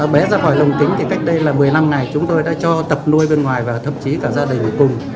bé ra khỏi lồng kính thì cách đây là một mươi năm ngày chúng tôi đã cho tập nuôi bên ngoài và thậm chí cả gia đình cùng